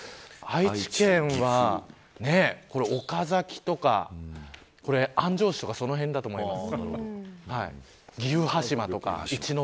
それから愛知県は岡崎とか安城市とかそこら辺なんだと思います。